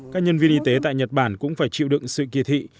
các nhân viên y tế tại nhật bản cũng phải chịu đựng sự kỳ thị